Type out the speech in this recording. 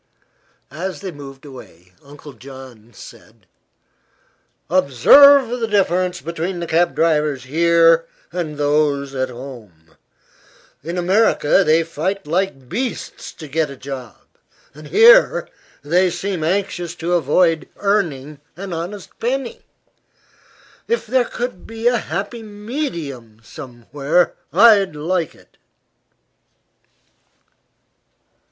As they moved away Uncle John said: "Observe the difference between the cab drivers here and those at home. In America they fight like beasts to get a job; here they seem anxious to avoid earning an honest penny. If there could be a happy medium somewhere, I'd like it."